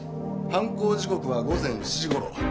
犯行時刻は午前７時頃。